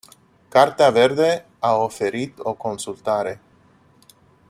Cartea verde a oferit o consultare...